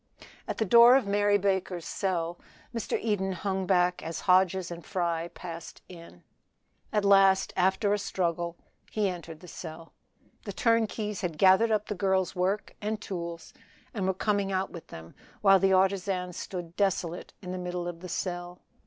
At the door of Mary Baker's cell Mr. Eden hung back as Hodges and Fry passed in. At last, after a struggle, he entered the cell. The turnkeys had gathered up the girl's work and tools, and were coming out with them, while the artisan stood desolate in the middle of the cell.